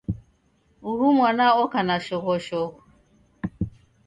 Uhu mwana oka na shoghoshogho.